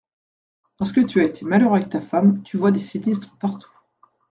Parce que tu as été malheureux avec ta femme, tu vois des sinistres partout…